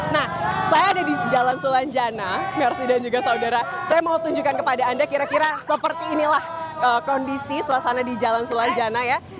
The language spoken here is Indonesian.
nah saya ada di jalan sulanjana mersi dan juga saudara saya mau tunjukkan kepada anda kira kira seperti inilah kondisi suasana di jalan sulanjana ya